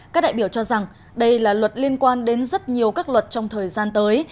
các đại biểu cho rằng đây là luật liên quan đến rất nhiều các luật trong thời gian tới